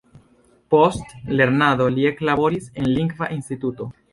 Post lernado li eklaboris en lingva instituto.